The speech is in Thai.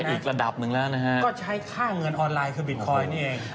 อีกระดับหนึ่งแล้วนะฮะก็ใช้ค่าเงินออนไลน์คือบิตคอยน์นี่เอง